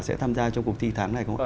sẽ tham gia trong cuộc thi tháng này không